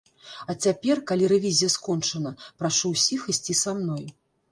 А цяпер, калі рэвізія скончана, прашу ўсіх ісці са мной.